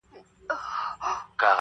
بل خوا وژلو د انسان کښې اسانى راغله